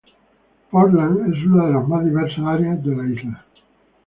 Portland es una de las más diversas áreas de la isla.